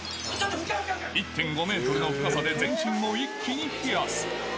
１．５メートルの深さで全身を一気に冷やす。